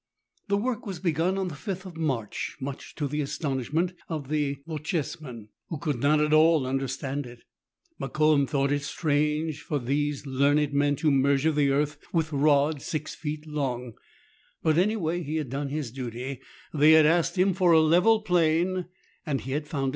The work was begun on the 5th of March, much to the astonishment of the Bochjesmen, who could not at all understand it. Mokoum thought it strange for these learned men to measure the earth with rods six feet long; but any way, he had done his duty ; they had asked him for a level plain, and he had found it for them.